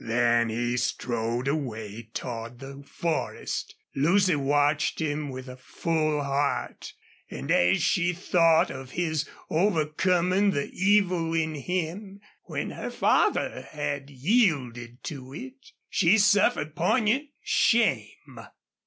Then he strode away toward the forest. Lucy watched him with a full heart, and as she thought of his overcoming the evil in him when her father had yielded to it, she suffered poignant shame.